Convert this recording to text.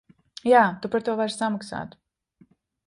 Jā, ja tu par to vari samaksāt.